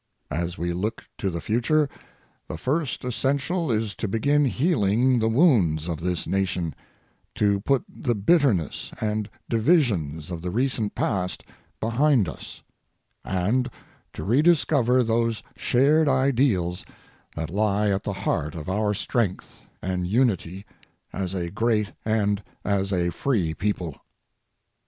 As we look to the future, the first essential is to begin healing the wounds of this Nation, to put the bitterness and divisions of the recent past behind us, and to rediscover those shared ideals that lie at the heart of our strength and unity as a great and as a free people.